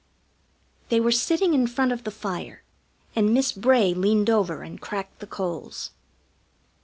They were sitting in front of the fire, and Miss Bray leaned over and cracked the coals.